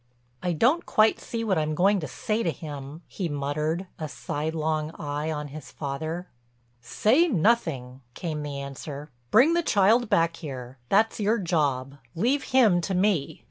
"I don't quite see what I'm going to say to him," he muttered, a sidelong eye on his father. "Say nothing," came the answer. "Bring the child back here—that's your job. Leave him to me.